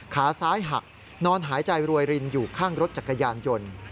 ขาซ้ายหักนอนหายใจรวยรินอยู่ข้างรถจักรยานยนต์